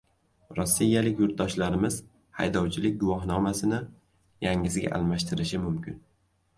Rossiyadagi yurtdoshlarimiz haydovchilik guvohnomasini yangisiga almashtirishi mumkin